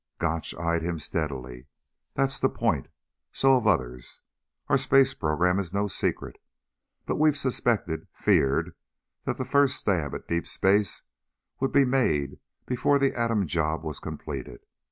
Gotch eyed him steadily. "That's the point. So have others. Our space program is no secret. But we've suspected feared that the first stab at deep space would be made before the atom job was completed.